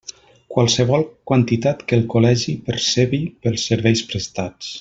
Qualsevol quantitat que el Col·legi percebi pels serveis prestats.